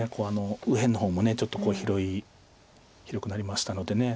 右辺の方もちょっと広い広くなりましたので。